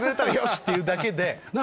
っていうだけで。